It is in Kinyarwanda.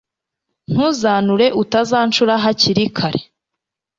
ntuzanure utazancura hakiri kare